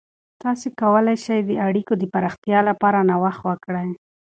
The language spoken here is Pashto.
تاسې کولای سئ د اړیکو د پراختیا لپاره نوښت وکړئ.